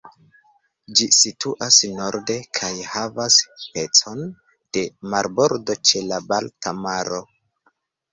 Ĝi situas norde kaj havas pecon de marbordo ĉe la Balta maro.